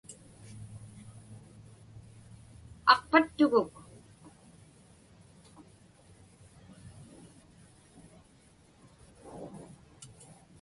Aqpattuguk.